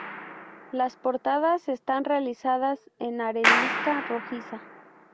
Las portadas están realizadas en arenisca rojiza.